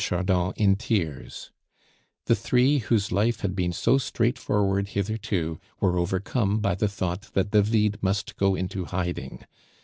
Chardon in tears; the three whose life had been so straightforward hitherto were overcome by the thought that David must go into hiding.